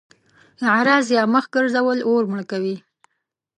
اعراض يا مخ ګرځول اور مړ کوي.